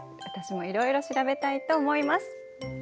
私もいろいろ調べたいと思います。